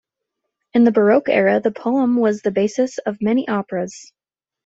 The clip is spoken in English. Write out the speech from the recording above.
In the Baroque era, the poem was the basis of many operas.